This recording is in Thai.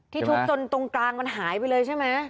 ทุบจนตรงกลางมันหายไปเลยใช่ไหม